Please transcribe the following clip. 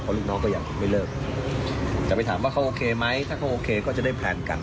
ลูกน้องก็ยังไม่เลิกแต่ไปถามว่าเขาโอเคไหมถ้าเขาโอเคก็จะได้แพลนกัน